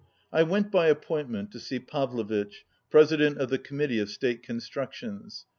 I WENT by appointment to see Pavlovitch, Presi dent of the Committee of State Constructions.